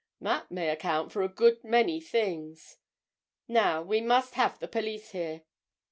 That may account for a good many things. Now we must have the police here."